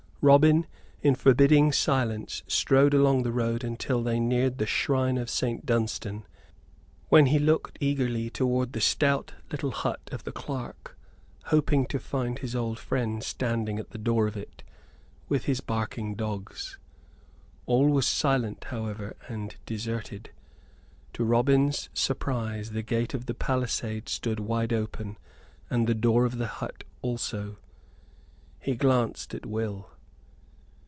Robin, in forbidding silence, strode along the road until they neared the shrine of St. Dunstan, when he looked eagerly toward the stout little hut of the clerk, hoping to find his old friend standing at the door of it, with his barking dogs. All was silent, however, and deserted. To Robin's surprise, the gate of the palisade stood wide open; and the door of the hut also. He glanced at Will.